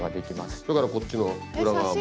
だからこっちの裏側も。